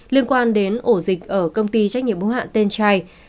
liên quan đến ổ dịch ở công ty trách nhiệm mẫu hạn tên trai